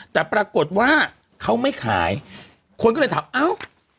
แต่ปรากฏว่าเขาไม่ขายคนก็เลยถามเอ้า